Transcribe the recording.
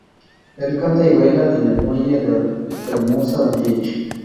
El canta y baila en el muelle de Hermosa Beach.